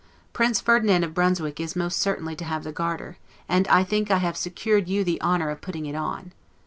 Prince Ferdinand of Brunswick is most certainly to have the Garter, and I think I have secured you the honor of putting it on.